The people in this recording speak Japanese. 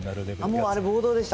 もうあれ暴動でした